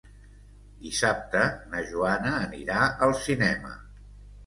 Dissabte na Joana anirà al cinema.